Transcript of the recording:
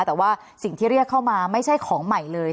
แต่ว่าสิ่งที่เรียกเข้ามาไม่ใช่ของใหม่เลย